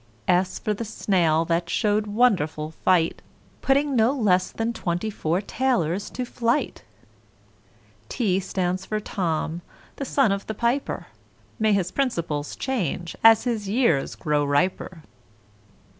S for the Snail that showed wonderful fight, Putting no less than twenty four tailors to flight! [Illustration: TUV] T stands for Tom, the son of the piper, May his principles change as his years grow riper.